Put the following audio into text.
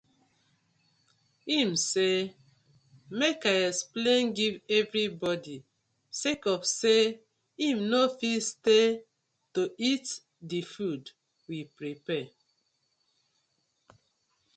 Im say mek I explain giv everi bodi sake of say im no fit stay to eat the food we prapare.